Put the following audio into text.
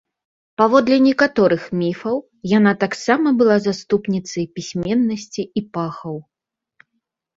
Паводле некаторых міфаў, яна таксама была заступніцай пісьменнасці і пахаў.